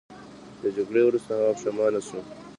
د جګړې وروسته هغه پښیمانه شو.